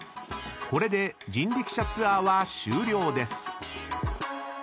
［これで人力車ツアーは終了です］